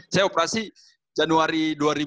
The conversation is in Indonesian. saya operasi januari dua ribu sembilan belas